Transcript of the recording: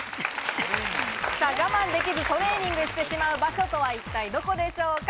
我慢できずトレーニングしてしまう場所とは一体どこでしょうか？